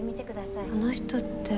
あの人って。